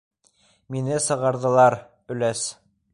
Мине сығарҙылар, өләс!